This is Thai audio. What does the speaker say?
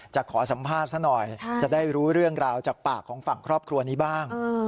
ขอสัมภาษณ์ซะหน่อยจะได้รู้เรื่องราวจากปากของฝั่งครอบครัวนี้บ้าง